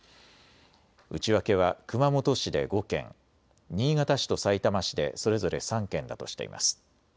内訳は熊本市で５件、新潟市とさいたま市でそれぞれ３件だとしています。